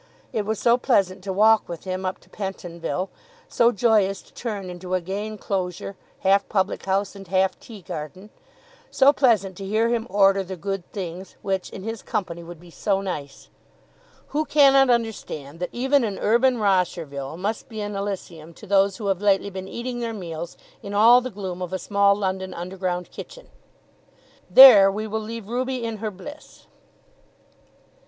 It was so pleasant to walk with him up to Pentonville; so joyous to turn into a gay enclosure, half public house and half tea garden; so pleasant to hear him order the good things, which in his company would be so nice! Who cannot understand that even an urban Rosherville must be an Elysium to those who have lately been eating their meals in all the gloom of a small London underground kitchen? There we will leave Ruby in her bliss.